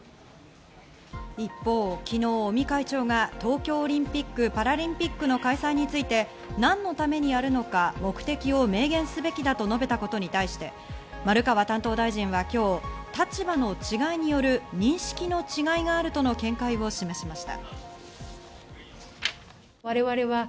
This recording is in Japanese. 一方、昨日、尾身会長が東京オリンピック・パラリンピックの開催について何のためにやるのか、目的を明言すべきだと述べたことに対して、丸川担当大臣は今日、立場の違いによる認識の違いがあるとの見解を示しました。